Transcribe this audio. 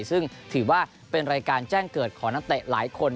ซึ่งถือว่าเป็นรายการแจ้งเกิดของนักเตะหลายคน